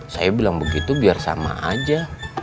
saya bilang begitu biar sama aja